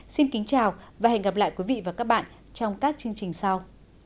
xin kính chào và hẹn gặp lại quý vị và các bạn trong các chương trình sau